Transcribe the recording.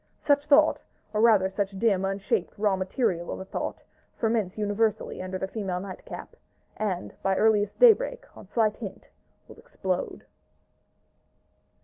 Such thought, or rather such dim unshaped raw material of a thought, ferments universally under the female night cap; and, by earliest daybreak, on slight hint, will explode.